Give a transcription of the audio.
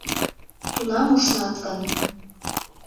Тунам ушнат гын